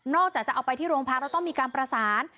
จะเอาไปที่โรงพักแล้วต้องมีการประสาน